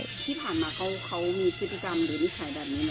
ที่ผ่านมาเขามีพฤติกรรมหรือนิสัยแบบนี้ไหม